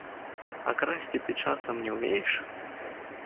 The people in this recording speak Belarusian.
А красці ты, часам, не ўмееш?